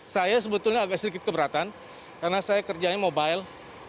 saya sebetulnya agak sedikit keberatan karena saya kerjanya mobile